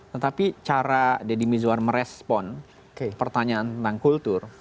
tetapi cara deddy mizwar merespon pertanyaan tentang kultur